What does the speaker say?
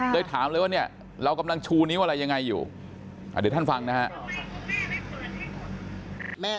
เลยถามเลยว่าเนี่ยเรากำลังชูนิ้วอะไรยังไงอยู่เดี๋ยวท่านฟังนะฮะ